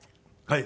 はい。